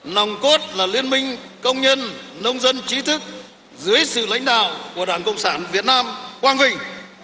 nòng cốt là liên minh công nhân nông dân trí thức dưới sự lãnh đạo của đảng cộng sản việt nam quang vinh